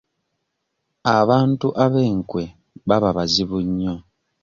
Abantu ab'enkwe baba bazibu nnyo.